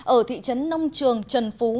ở thị trấn nông trường trần phú